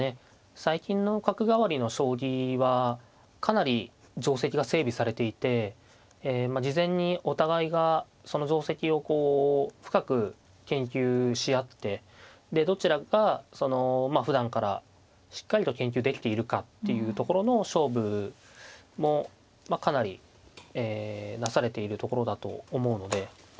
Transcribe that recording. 最近の角換わりの将棋はかなり定跡が整備されていて事前にお互いがその定跡をこう深く研究し合ってでどちらがそのふだんからしっかりと研究できているかっていうところの勝負もかなりなされているところだと思うので。